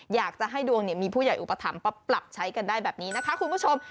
อยากจะให้ดวงมีผู้ใหญ่อุปถัมภ์ปรับใช้กันได้แบบนี้นะคะคุณผู้ชม